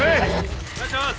お願いします！